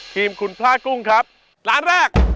ทีมคุณพลาดกุ้งครับร้านแรก